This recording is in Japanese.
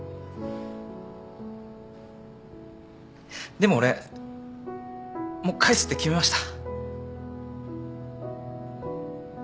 でも俺もう返すって決めました。